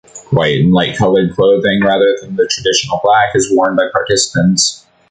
White and light colored clothing, rather than the traditional black, is worn by participants.